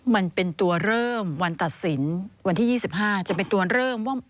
มันเป็นตัวเริ่มวันตัดสินวันที่๒๕จะเป็นตัวเริ่มว่า